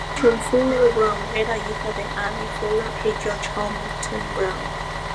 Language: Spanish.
Rachel Fuller Brown era hija de Annie Fuller y George Hamilton Brown.